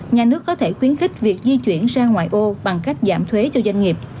nhà nước có thể khuyến khích việc di chuyển ra ngoài ô bằng cách giảm thuế cho doanh nghiệp